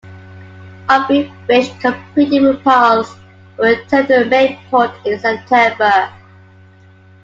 "Aubrey Fitch" completed repalrs and returned to Mayport in September.